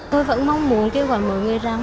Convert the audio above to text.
tôi vẫn mong muốn kết quả mọi người rằng